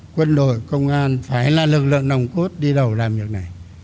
quân đội công an phải là lực lượng nồng cốt đi đầu làm việc này